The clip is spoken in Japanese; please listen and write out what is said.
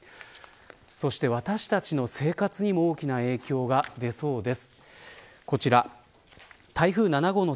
そして、私たちの生活にも大きな影響が出そうです。